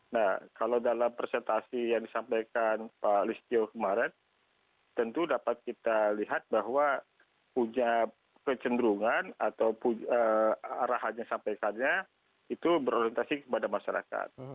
nah kalau dalam presentasi yang disampaikan pak listio kemarin tentu dapat kita lihat bahwa punya kecenderungan atau arahannya sampaikannya itu berorientasi kepada masyarakat